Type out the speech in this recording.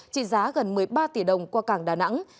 trị giá gần một mươi ba tỷ đồng qua cảng đà nẵng